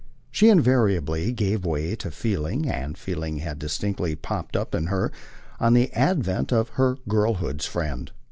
She invariably gave way to feeling, and feeling had distinctly popped up in her on the advent of her girlhood's friend.